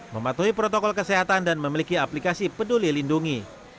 mematuhi protokol kesehatan dan memiliki aplikasi peduli lindungi